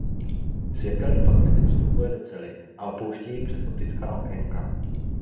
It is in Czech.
Světelný paprsek vstupuje do cely a opouští ji přes optická okénka.